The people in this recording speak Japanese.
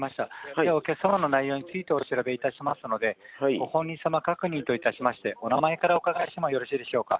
じゃあお客様の内容についてお調べいたしますので、ご本人様確認といたしまして、お名前からお伺いしてもよろしいでしょうか？